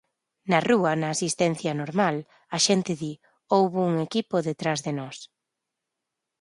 Na rúa, na asistencia normal, a xente di: Houbo un equipo detrás de nós.